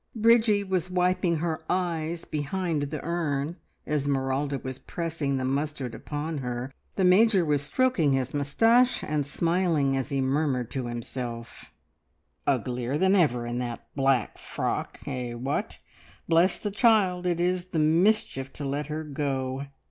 Bridgie was wiping her eyes behind the urn, Esmeralda was pressing the mustard upon her, the Major was stroking his moustache and smiling as he murmured to himself "Uglier than ever in that black frock! Eh what! Bless the child, it is the mischief to let her go!